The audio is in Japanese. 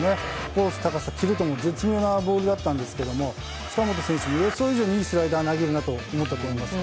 コース、高さ、キレも絶妙なボールだったんですけど近本選手は予想以上にいいスライダーを投げるなと思ったと思います。